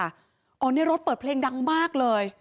อะเนี่ยรถเปิดเพลงดังมากเลย